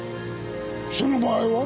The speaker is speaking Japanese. その場合は？